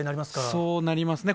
そうなりますね。